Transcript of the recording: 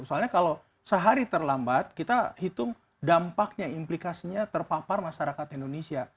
soalnya kalau sehari terlambat kita hitung dampaknya implikasinya terpapar masyarakat indonesia